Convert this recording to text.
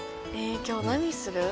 今日何する？